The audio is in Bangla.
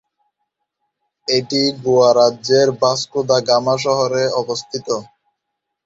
এটি গোয়া রাজ্যের ভাস্কো ডা গামা শহরে অবস্থিত।